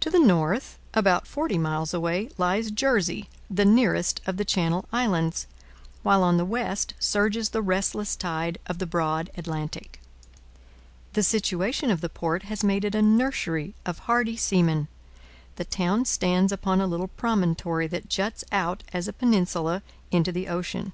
To the north, about forty miles away, lies Jersey, the nearest of the Channel Islands, while on the west surges the restless tide of the broad Atlantic. The situation of the port has made it a nursery of hardy seamen. The town stands upon a little promontory that juts out as a peninsula into the ocean.